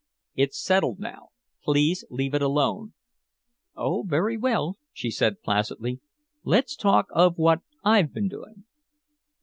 "It's settled now. Please leave it alone." "Oh very well," she said placidly. "Let's talk of what I've been doing."